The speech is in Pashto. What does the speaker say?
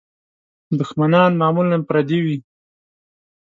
دوښمنان معمولاً پردي وي.